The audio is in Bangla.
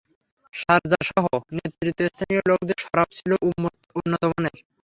শারযাসহ নেতৃস্থানীয় লোকদের শরাব ছিল উন্নতমানের।